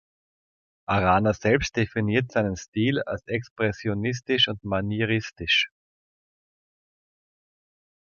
Arana selbst definiert seinen Stil als expressionistisch und manieristisch.